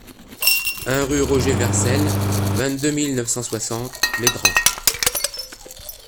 un rue Roger Vercel, vingt-deux mille neuf cent soixante Plédran